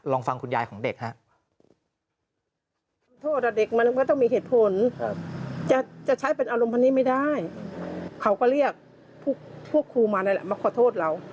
ลองฟังคุณยายของเด็กครับ